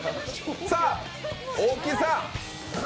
さあ、大木さん。